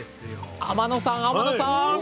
天野さん天野さん！